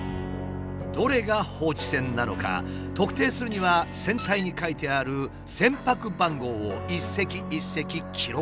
どれが放置船なのか特定するには船体に書いてある船舶番号を一隻一隻記録。